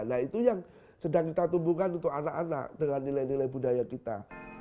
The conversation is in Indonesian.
nah itu yang sedang kita tumbuhkan untuk anak anak dengan nilai nilai budaya kita